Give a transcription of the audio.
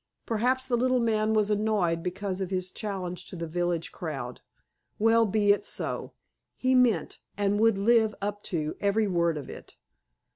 Perhaps the little man was annoyed because of his challenge to the village crowd? Well, be it so. He meant, and would live up to, every word of it!